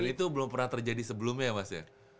dan itu belum pernah terjadi sebelumnya ya mas ya